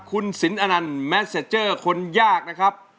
คุณสินอนันต์แมสเซเจอร์คนยากนะครับ